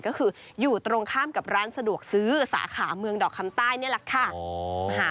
ก็คืออยู่ตรงข้ามกับร้านสะดวกซื้อสาขาเมืองดอกคำใต้นี่แหละค่ะ